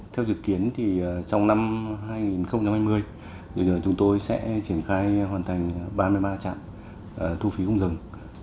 theo dự kiến thì trong năm hai nghìn hai mươi chúng tôi sẽ triển khai hoàn thành ba mươi ba trạm thu phí không dừng